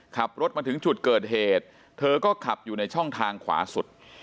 ขับรถมาถึงจุดเกิดเหตุเธอก็ขับอยู่ในช่องทางขวาสุด